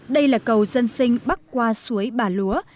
đây là cầu dân sinh bắc qua suối bà lúa